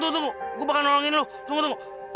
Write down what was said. pulanglah dari sini questo